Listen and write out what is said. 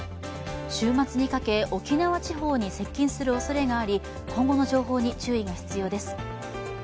週末にかけ、沖縄地方に接近するおそれがあり今後の情報に注意が必要です。